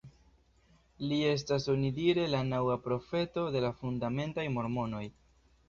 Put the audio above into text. Li estas onidire la naŭa profeto de la fundamentaj mormonoj.